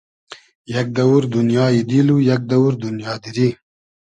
یئگ دئوور دونیای دیل و یئگ دئوور دونیا دیری